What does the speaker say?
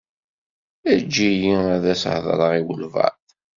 Eǧǧ-iyi ad s-heḍṛeɣ i walebɛaḍ.